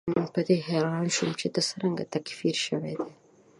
په دې حیران شوم چې هغه څرنګه تکفیر شوی دی.